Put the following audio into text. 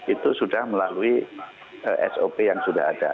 itu sudah melalui sop nya